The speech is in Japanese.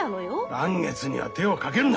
嵐月には手をかけるな。